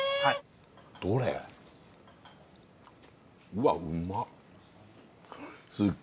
うわっうまっ。